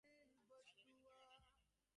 তাড়াতাড়ি কিছুই আনা হয় নাই।